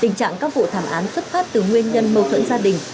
tình trạng các vụ thảm án xuất phát từ nguyên nhân mâu thuẫn gia đình